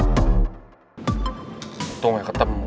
untung ya ketemu